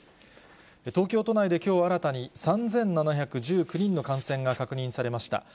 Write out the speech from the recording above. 東京都内できょう新たに３７１９人の感染が確認されました。